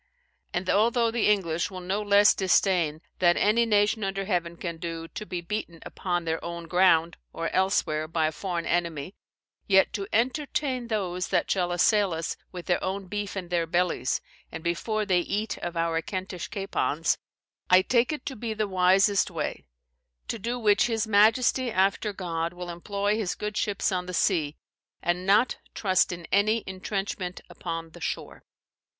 And although the English will no less disdain that any nation under heaven can do, to be beaten, upon their own ground, or elsewhere, by a foreign enemy; yet to entertain those that shall assail us with their own beef in their bellies, and before they eat of our Kentish capons, I take it to be the wisest way; to do which his majesty, after God, will employ his good ships on the sea, and not trust in any intrenchment upon the shore."